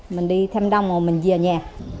mình đi thêm đông rồi mình về nhà